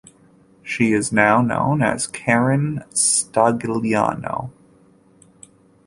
She now is known as Karen Stagliano.